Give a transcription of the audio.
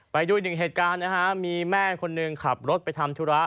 ไปด้วย๑เหตุการณ์มีแม่คนหนึ่งขับรถไปทำทุระ